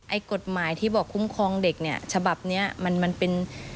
กฎหมายที่บอกคุ้มครองเด็กเนี่ยฉบับนี้มันเป็น